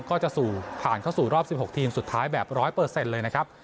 ก็จะสู่ผ่านเข้าสู่รอบสิบหกทีมสุดท้ายแบบร้อยเปอร์เซ็นต์เลยนะครับ